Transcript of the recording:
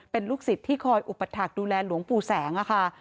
เป็นลูกศิษย์ที่คอยอุปถักดูแลหลวงปู่แสงค่ะ